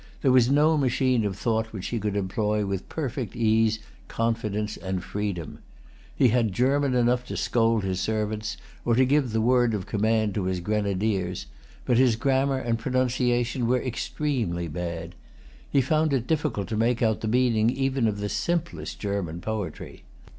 There was no machine of thought which he could employ with perfect ease, confidence, and freedom. He had German enough to scold his servants, or to give the word of command to his grenadiers; but his grammar and pronunciation were extremely bad. He found it difficult to make out the meaning even of the simplest German poetry.